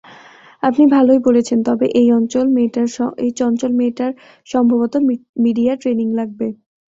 আপনি ভালোই বলেছেন তবে এই চঞ্চল মেয়েটার সম্ভবত মিডিয়া ট্রেনিং লাগবে।